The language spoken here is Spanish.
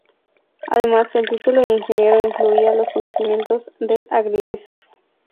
Además, el título de Ingeniero incluía los conocimientos del agrimensor.